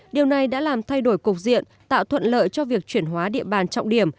điều này đã làm thay đổi cục diện tạo thuận lợi cho việc chuyển hóa địa bàn trọng điểm